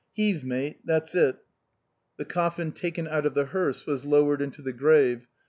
Heave, mate, that's it." The coffm taken out of the hearse was lowered into the grave.